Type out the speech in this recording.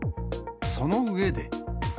その上で。